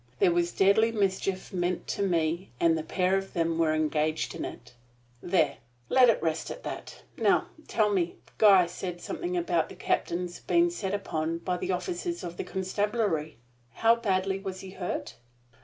There was deadly mischief meant to me; and the pair of them were engaged in it. There! let it rest at that. Now, tell me, Guy said something about the captain's being set upon by officers of the constablery. How badly was he hurt?"